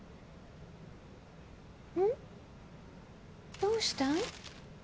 どうしたん？